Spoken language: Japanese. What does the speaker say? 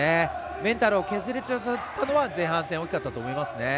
メンタルを削れたのは、前半戦大きかったと思いますね。